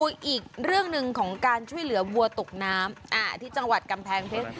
อีกเรื่องหนึ่งของการช่วยเหลือวัวตกน้ำอ่าที่จังหวัดกำแพงเพชร